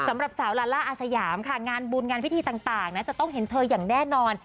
สำหรับสาวลาล่าอาสยามค่ะงานบุญงานพิธีต่างนะจะต้องเห็นเธออย่างแน่นอน